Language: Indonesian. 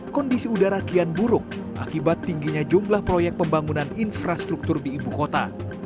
kondisi udara kian buruk akibat tingginya jumlah proyek pembangunan infrastruktur di ibu kota